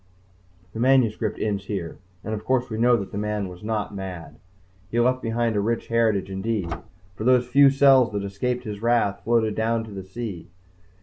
_The manuscript ends here and of course we know that the "man" was not mad. He left behind a rich heritage indeed, for those few cells that escaped his wrath and floated down to the sea.